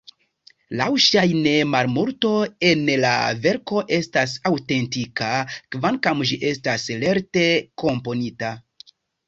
Laŭŝajne, malmulto en la verko estas aŭtentika, kvankam ĝi estas lerte komponita.